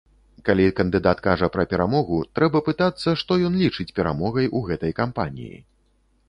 Калі кандыдат кажа пра перамогу, трэба пытацца, што ён лічыць перамогай у гэтай кампаніі.